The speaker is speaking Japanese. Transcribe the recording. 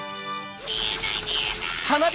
みえないみえない！